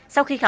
sau khi khám